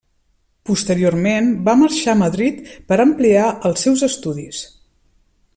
Posteriorment va marxar a Madrid per ampliar els seus estudis.